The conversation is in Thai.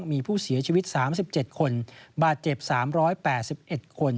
มีผู้เสียชีวิต๓๗คนบาดเจ็บ๓๘๑คน